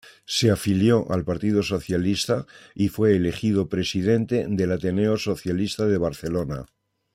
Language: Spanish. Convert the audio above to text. Se afilió al Partido Socialista y fue elegido presidente del Ateneo Socialista de Barcelona.